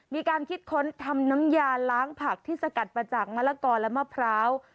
มีการคิดค้นทำน้ำยาล้างผักที่สกัดมาจากมะละกอและมะพร้าว